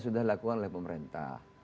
sudah dilakukan oleh pemerintah